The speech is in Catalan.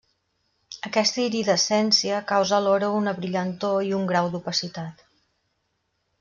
Aquesta iridescència causa alhora una brillantor i un grau d'opacitat.